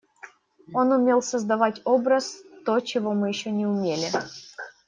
Он умел создавать образ, то, чего мы еще не умели.